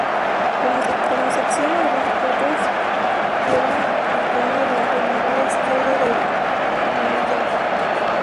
Como excepción algunas scooters llevan el cambio en la empuñadura izquierda del manillar.